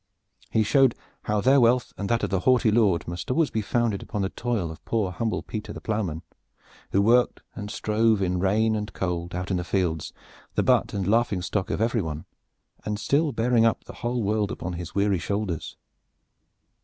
He showed how their wealth and that of the haughty lord must always be founded upon the toil of poor humble Peter the Plowman, who worked and strove in rain and cold out in the fields, the butt and laughing stock of everyone, and still bearing up the whole world upon his weary shoulders.